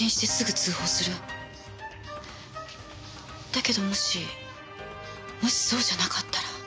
だけどもしもしそうじゃなかったら。